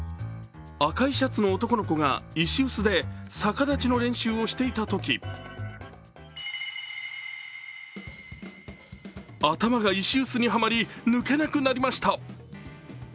赤いシャツの男の子が石臼で逆立ちの練習をしていたとき頭が石臼にはまり、抜けなくなりました。